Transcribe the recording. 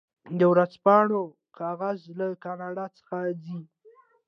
د ورځپاڼو کاغذ له کاناډا څخه ځي.